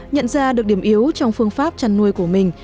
nhận ra được điểm yếu trong phương pháp chăn nuôi của mình